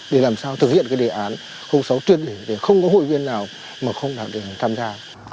để làm sao thực hiện đề án sáu tuyên truyền để không có hội viên nào mà không đạt được tham gia